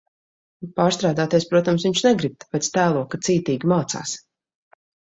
Pārstrādāties, protams, viņš negrib, tāpēc tēlo, ka cītīgi mācās.